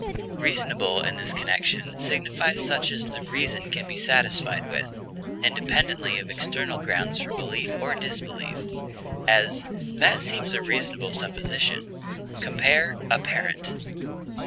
Reasonable in this connection signifies such as the reason can be satisfied with, independently of external grounds for belief or disbelief; as, that seems a reasonable supposition. Compare APPARENT.